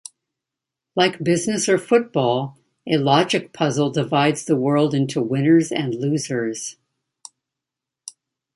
Like business or football, a logic puzzle divides the world into winners and losers.